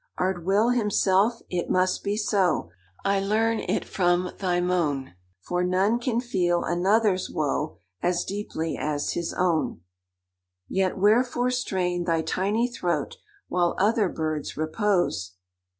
"Art Will himself?—It must be so— I learn it from thy moan, For none can feel another's woe As deeply as his own. "Yet wherefore strain thy tiny throat, While other birds repose?